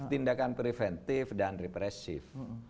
tindakan preventif dan represif